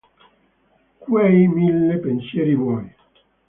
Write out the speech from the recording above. Quei mille pensieri bui.